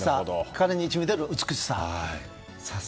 彼からにじみ出る美しさ。